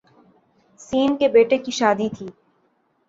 س کے بیٹے کی شادی تھی